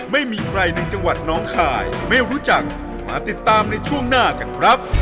ไม่มีใครในจังหวัดน้องคายไม่รู้จักมาติดตามในช่วงหน้ากันครับ